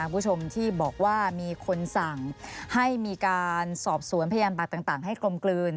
คุณผู้ชมที่บอกว่ามีคนสั่งให้มีการสอบสวนพยานบัตรต่างให้กลมกลืน